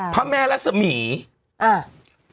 พระแม่รัสธุมีอ่ะ